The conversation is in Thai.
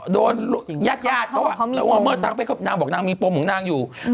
โดนยาดเพราะว่าละเมิดทางเพศเขานางบอกนางมีปมของนางอยู่